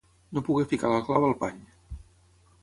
No poder ficar la clau al pany.